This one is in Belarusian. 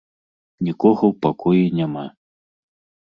Нікога ў пакоі няма.